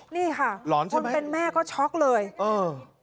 นี่ค่ะหลอนคนเป็นแม่ก็ช็อกเลยเออ